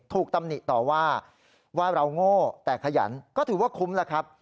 ตำหนิต่อว่าว่าเราโง่แต่ขยันก็ถือว่าคุ้มแล้วครับ